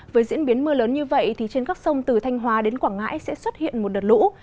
với diễn biến mưa lớn như vậy trên các sông từ thanh hóa đến quảng ngãi sẽ xuất hiện một đợt lũ